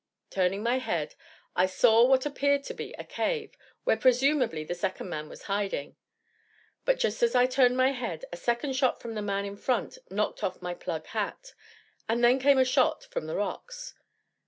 Turning my head, I saw what appeared to be a cave, where presumably the second man was hiding. But just as I turned my head, a second shot from the man in front knocked off my plug hat; and then came a shot from the rocks.